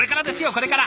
これから！